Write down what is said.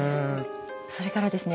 それからですね